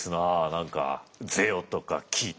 何か「ぜよ」とか「き」とか。